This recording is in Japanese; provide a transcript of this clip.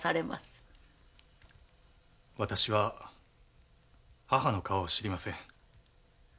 私は母の顔を知りません。